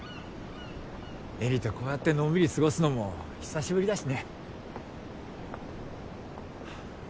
絵里とこうやってのんびり過ごすのも久しぶりだしね。